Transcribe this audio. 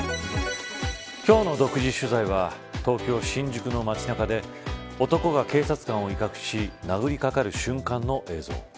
今日の独自取材は東京、新宿の街中で男が警察官を威嚇し殴りかかる瞬間の映像。